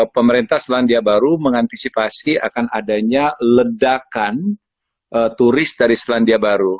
pemerintah selandia baru mengantisipasi akan adanya ledakan turis dari selandia baru